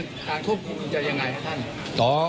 การควบคุมจะยังไงนะท่าน